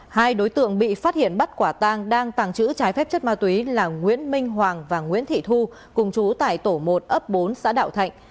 hai đối tượng bị phát hiện bắt quả tang đang tàng trữ trái phép chất ma túy là nguyễn minh hoàng và nguyễn thị thu cùng chú tại tổ một ấp bốn xã đạo thạnh